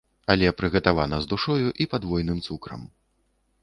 Але прыгатавана з душою і падвойным цукрам.